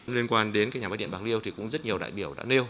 liên quan đến cái nhà máy điện bạc liêu thì cũng rất nhiều đại biểu đã nêu